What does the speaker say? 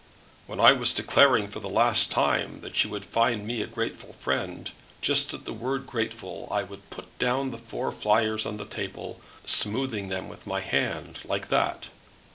"When I was declaring for the last time that she would find me a grateful friend, just at the word grateful, I would put down the four fivers on the table, smoothing them with my hand like that."